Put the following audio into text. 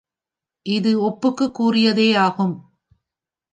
இது ஒப்புக்குக் கூறியதேயாகும்.